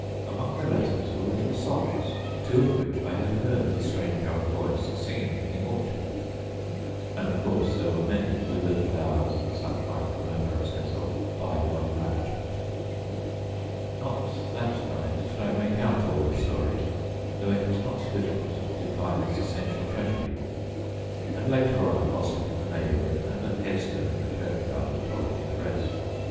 Among the letters were little songs, two of which I had heard the strange young voice singing in the orchard, and, of course, there were many withered flowers and such like remembrances of bygone rapture. Not that night could I make out all the story, though it was not difficult to define its essential tragedy, and later on a gossip in the neighborhood and a headstone in the churchyard told me the rest.